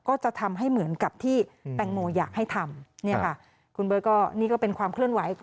ก็จะทำให้เหมือนกับที่แตงโมอยากให้ทำเนี่ยค่ะคุณเบิร์ตก็นี่ก็เป็นความเคลื่อนไหว